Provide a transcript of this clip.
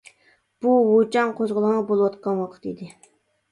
بۇ ۋۇچاڭ قوزغىلىڭى بولۇۋاتقان ۋاقىت ئىدى.